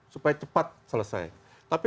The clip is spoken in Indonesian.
supaya cepat selesai tapi